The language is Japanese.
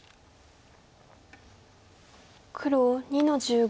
黒２の十五。